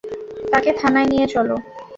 তাকে থানায় নিয়ে চলো।